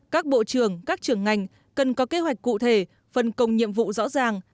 các bộ trường các trường ngành cần có kế hoạch cụ thể phần công nhiệm vụ rõ ràng